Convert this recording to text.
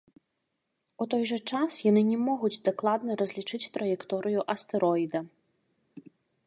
У той жа час яны не могуць дакладна разлічыць траекторыю астэроіда.